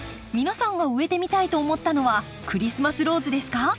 皆さんが植えてみたいと思ったのはクリスマスローズですか？